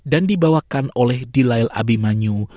dan dibawakan oleh delail abimanyu